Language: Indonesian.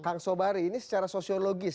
kang sobari ini secara sosiologis